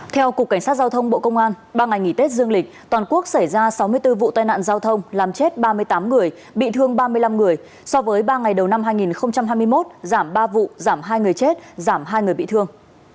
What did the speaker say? theo cục cảnh sát giao thông bộ công an ba ngày nghỉ tết dương lịch toàn quốc xảy ra sáu mươi bốn vụ tai nạn giao thông làm chết ba mươi tám người bị thương ba mươi năm người so với ba ngày đầu năm hai nghìn hai mươi một giảm ba vụ giảm hai người chết giảm hai người bị thương